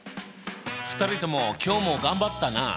２人とも今日も頑張ったなあ。